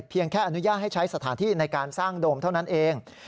แค่อนุญาตให้ใช้สถานที่ในการสร้างโดมเท่านั้นเอง